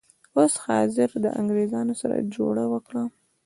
اوس حاضر د انګریزانو سره جوړه وکړه.